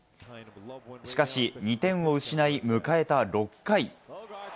しかし２点を失い、迎えた６回。